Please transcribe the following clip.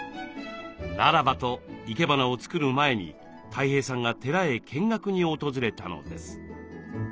ならばと生け花を作る前にたい平さんが寺へ見学に訪れたのです。